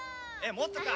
もっとか。